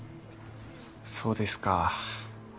そうですか。